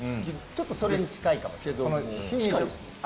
ちょっとそれに近いかもしれないです。